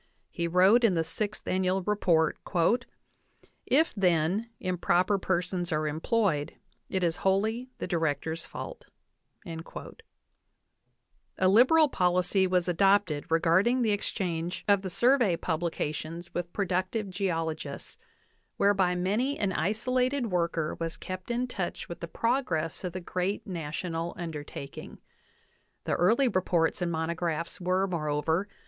He wrote in the Sixth Annual Report: "If, then, improper persons are employed, it is wholly the Di rector's fault." I^A liberal policy was adopted regarding the exchange of the 48 JOHN WESLEY POWEIJ. DAVIS Survey publications with productive geologists, whereby many an isolated worker was kep in touch with the progress of the great national undertaking. The early reports and mono graphs were, moreover